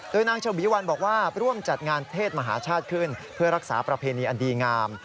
โดยนางชวีวันบอกว่าร่วมจัดงานเทศมหาชาติขึ้นเพื่อรักษาประเพณีอันดีงาม